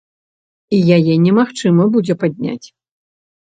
І яе немагчыма будзе падняць.